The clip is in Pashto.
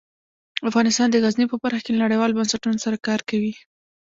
افغانستان د غزني په برخه کې له نړیوالو بنسټونو سره کار کوي.